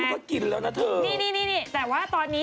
รู้วงใดอย่างงี้